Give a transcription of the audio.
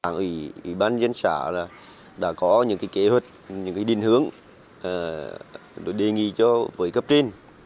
ủy ban dân xã đã có những kế hoạch những định hướng đề nghị cho với cấp trên